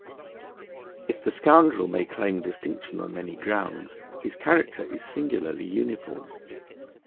If the Scoundrel may claim distinction on many grounds, his character is singularly uniform.